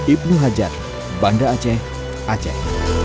ibnu hajar banda aceh aceh